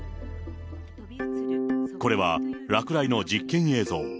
これは落雷の実験映像。